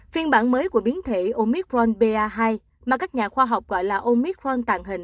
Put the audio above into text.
phiên bản mới của biến thể omicron ba hai mà các nhà khoa học gọi là omicron tạo hình